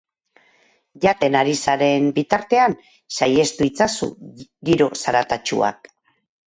Jaten ari zaren bitartean saihestu itzazu giro zaratatsuak.